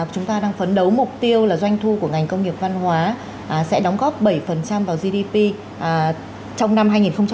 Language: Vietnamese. chúng ta đang phấn đấu mục tiêu là doanh thu của ngành công nghiệp văn hóa sẽ đóng góp bảy vào gdp trong năm hai nghìn hai mươi